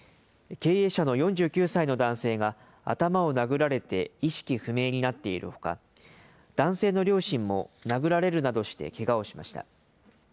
経営者の４９歳の男性が頭を殴られて意識不明になっているほか、男性の両親も殴られるなどしてけがをしました。